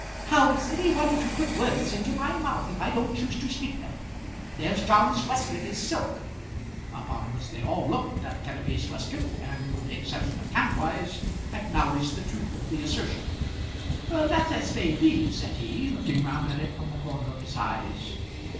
"How is any one to put words into my mouth if I don't choose to speak then? There's John's waistcoat is silk." Upon which they all looked at Kenneby's waistcoat, and, with the exception of Kantwise, acknowledged the truth of the assertion. "That's as may be," said he, looking round at it from the corner of his eyes.